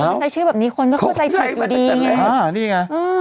แล้วคุณก็ใช้ชื่อแบบนี้คุณก็เข้าใจผิดอยู่ดีไงอ่านี่ไงอ่า